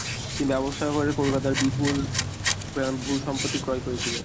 তিনি ব্যবসা করে কলকাতায় বিপুল পরিমাণ ভূ-সম্পত্তি ক্রয় করেছিলেন।